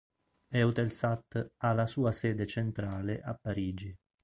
Eutelsat ha la sua sede centrale a Parigi.